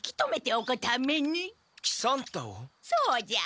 そうじゃ。